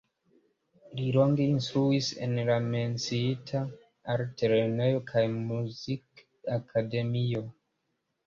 Li longe instruis en la menciita altlernejo kaj Muzikakademio.